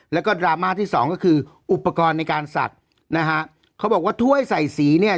แล้วก็ดราม่าที่สองก็คืออุปกรณ์ในการสัตว์นะฮะเขาบอกว่าถ้วยใส่สีเนี่ย